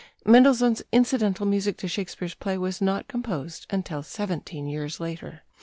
Mendelssohn's incidental music to Shakespeare's play was not composed until seventeen years later.